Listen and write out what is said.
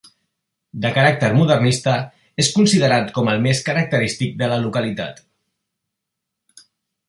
De caràcter modernista, és considerat com el més característic de la localitat.